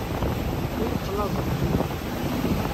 Ur ttlaẓeɣ.